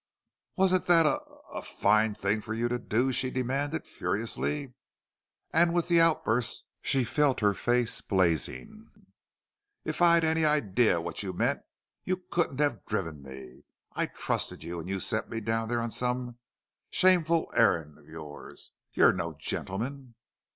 "Wasn't that a a fine thing for you to do?" she demanded, furiously. And with the outburst she felt her face blazing. "If I'd any idea what you meant you couldn't have driven me!... I trusted you. And you sent me down there on some shameful errand of yours. You're no gentleman!"